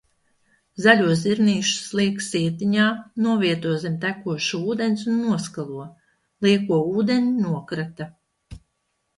Zaļos zirnīšus liek sietiņā, novieto zem tekoša ūdens un noskalo, lieko ūdeni nokrata.